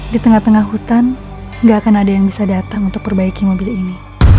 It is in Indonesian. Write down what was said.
di tengah tengah hutan tidak akan ada yang bisa datang untuk perbaiki mobil ini